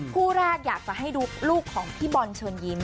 คู่แรกอยากจะให้ดูลูกของพี่บอลเชิญยิ้ม